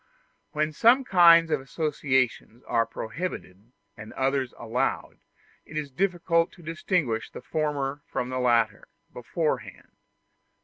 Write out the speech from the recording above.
When some kinds of associations are prohibited and others allowed, it is difficult to distinguish the former from the latter, beforehand.